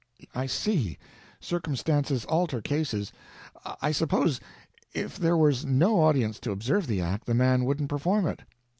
I see. Circumstances alter cases. I suppose that if there was no audience to observe the act, the man wouldn't perform it.